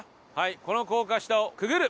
この高架下をくぐる！